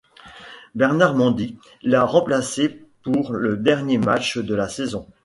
Bernard Mendy l'a remplacé pour le dernier match de la saison.